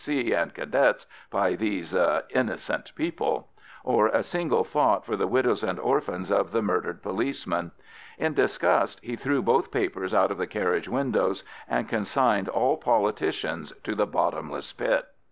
C. and Cadets by these "innocent people," or a single thought for the widows and orphans of the murdered policemen. In disgust he threw both papers out of the carriage windows, and consigned all politicians to the bottomless pit.